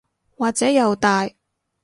或者又大